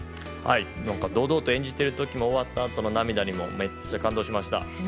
堂々と演じている時も終わったあとの涙にもめっちゃ感動しました。